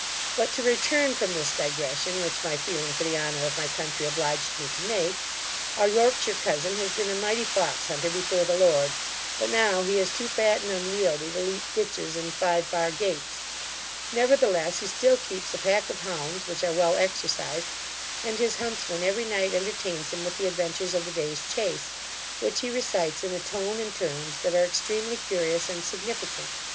But to return from this digression, which my feeling for the honour of my country obliged me to make our Yorkshire cousin has been a mighty fox hunter before the Lord; but now he is too fat and unwieldy to leap ditches and five bar gates; nevertheless, he still keeps a pack of hounds, which are well exercised; and his huntsman every night entertains him with the adventures of the day's chace, which he recites in a tone and terms that are extremely curious and significant.